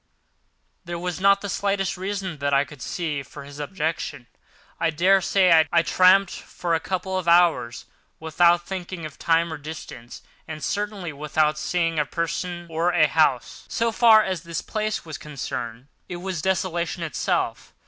There was not the slightest reason, that I could see, for his objection; and I daresay I tramped for a couple of hours without thinking of time or distance, and certainly without seeing a person or a house. So far as the place was concerned, it was desolation itself.